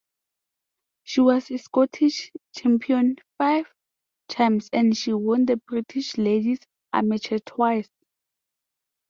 She was Scottish champion five times and she won the British Ladies Amateur twice.